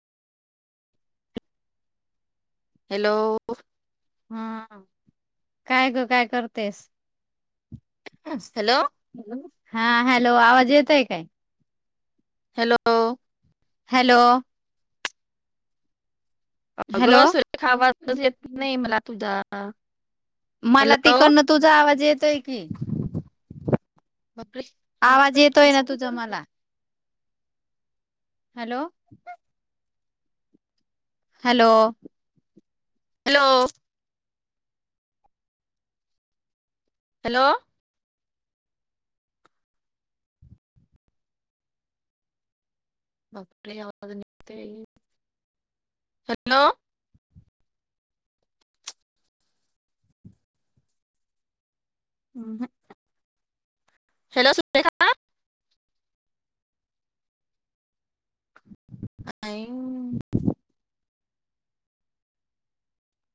Hello. हा काय ग काय करतेस. ह हॅलो. हॅो हा हॅलो आवाज येत आहे काय? हॅलो. हॅलो. हॅलो अगं स खावा येत नाही मला तुझा हा. मला तिकडनं तुझा आवाज येतोय की बापरे आवाज कट येतोय कस ना तुझं काय? मला. हॅलो. हॅलो. हॅलो. हॅलो. आवाजघ हॅलो [unintelligible] हम् ह [unintelligible] हॅलो सुरेखा अ [unintelligible]